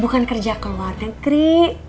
bukan kerja ke luar negeri